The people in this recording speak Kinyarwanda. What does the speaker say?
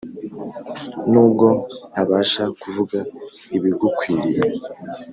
Nubwo ntabasha kuvuga ibigukwiriye